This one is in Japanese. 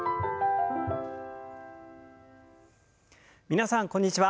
皆さんこんにちは。